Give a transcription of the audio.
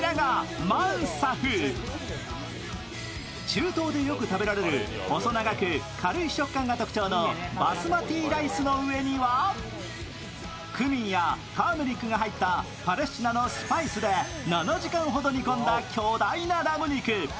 中東でよく食べられる細長く軽い食感が特徴のバスマティライスの上にはクミンやターメリックが入ったパレスチナのスパイスで７時間ほど煮込んだ巨大なラム肉。